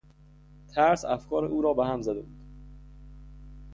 ترس افکار او را به هم زده بود.